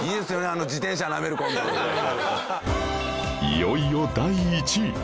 いよいよ第１位